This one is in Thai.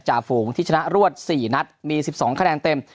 ฝูงที่ชนะรวด๔นัดมี๑๒คะแนนเต็ม